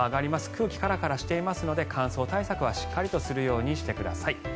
空気カラカラしていますので乾燥対策はしっかりとするようにしてください。